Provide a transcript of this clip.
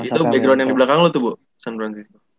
oh itu background yang di belakang lo tuh bu san francisco